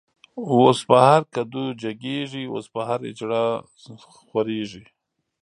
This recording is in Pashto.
اوس په هر کډو جگیږی، اوس په هر”اجړ” خوریږی